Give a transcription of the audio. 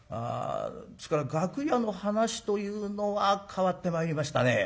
ですから楽屋の話というのは変わってまいりましたね。